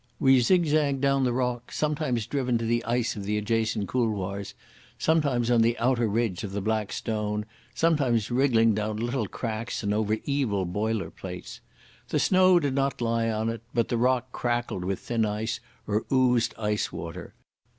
We zigzagged down the rock, sometimes driven to the ice of the adjacent couloirs, sometimes on the outer ridge of the Black Stone, sometimes wriggling down little cracks and over evil boiler plates. The snow did not lie on it, but the rock crackled with thin ice or oozed ice water.